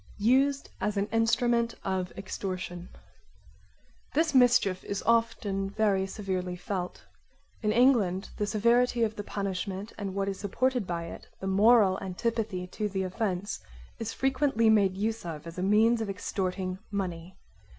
Used as an instrument of extortion This mischief is often very severely felt. In England the severity of the punishment and what is supported by it, the moral antipathy to the offence, is frequently made use of as a means of extorting money.